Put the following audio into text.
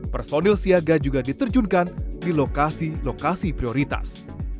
personil siaga juga diterjunkan di lokasi lokasi prioritas